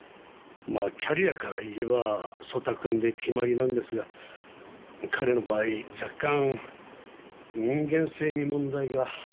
まあキャリアからいえば曽田君で決まりなんですが彼の場合若干人間性に問題が。